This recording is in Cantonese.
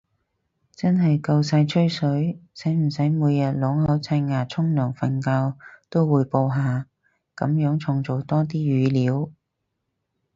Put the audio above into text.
真係夠晒吹水，使唔使每日啷口刷牙沖涼瞓覺都滙報下，噉樣創造多啲語料